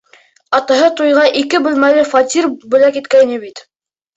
Атаһы туйға ике бүлмәле фатир бүләк иткәйне бит.